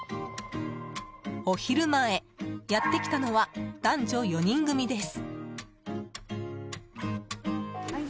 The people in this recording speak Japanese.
お昼前、やってきたのは男女４人組です。